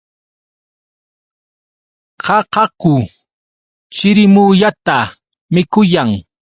Qaqaku chirimuyata mikuyan.